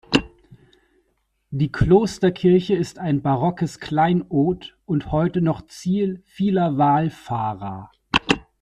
Die Klosterkirche ist ein barockes Kleinod und heute noch Ziel vieler Wallfahrer.